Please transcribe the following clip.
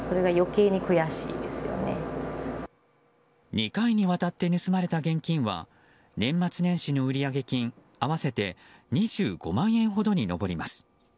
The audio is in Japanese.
２回にわたって盗まれた現金は年末年始の売上金合わせて２５万円ほどに上ります。